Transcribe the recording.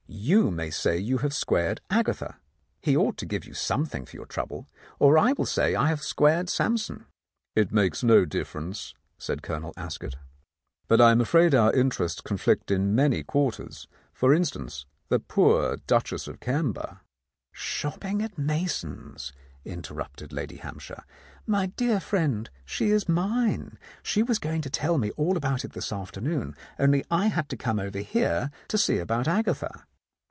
You may say you have squared Agatha. He ought to give you something for your trouble. Or I will say I have squared Sampson." "It makes no difference," said Colonel Ascot. 23 The Countess of Lowndes Square "But I am afraid our interests conflict in many quar ters. For instance, the poor Duchess of Camber." "Shopping at Mason's," interrupted Lady Hampshire. "My dear friend, she is mine. She was going to tell me all about it this afternoon, only I had to come over here to see about Agatha."